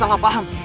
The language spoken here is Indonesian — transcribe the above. lo salah paham